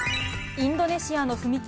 インドネシアの踏切。